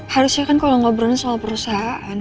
harusnya kan kalau ngobrolin soal perusahaan